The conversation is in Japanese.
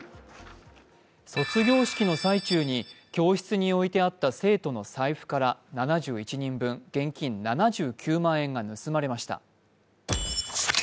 卒業式の最中に教室に置いてあった生徒の財布から７１人分、現金７９万円が盗まれました。